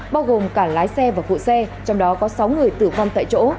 bao gồm cả lái xe và phụ xe trong đó có sáu người tử vong tại chỗ